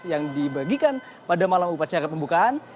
yang dibagikan pada malam upacara pembukaan